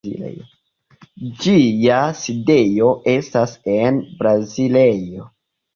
Ĝia sidejo estas en Braziljo.